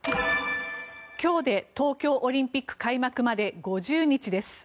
今日で東京オリンピック開幕まで５０日です。